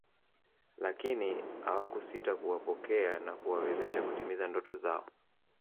Lakini awakusita kuwapokea na kuwawezesha kutimiza ndoto zao